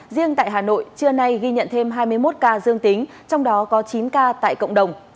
riêng tại hà nội trưa nay ghi nhận thêm hai mươi một ca dương tính trong đó có chín ca tại cộng đồng